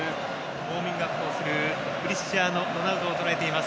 ウォーミングアップをするクリスチアーノ・ロナウドをとらえています。